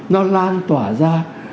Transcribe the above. nó lan tỏa ra